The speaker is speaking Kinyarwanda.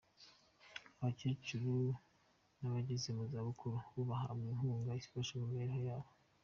Abakecuru n’abageze mu zabukuru bo bahabwa inkunga ibafasha mu mibereho yabo.